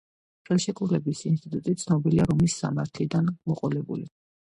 ხელშეკრულების ინსტიტუტი ცნობილია რომის სამართლიდან მოყოლებული.